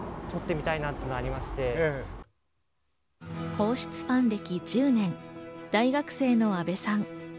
皇室ファン歴１０年、大学生の阿部さん。